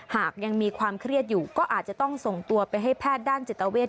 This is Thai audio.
หากยังมีความเครียดอยู่ก็อาจจะต้องส่งตัวไปให้แพทย์ด้านจิตเวท